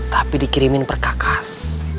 tapi dikirimin perkakas